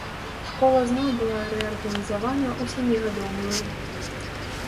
Школа зноў была рэарганізавана ў сямігадовую.